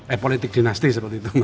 eh politik dinasti seperti itu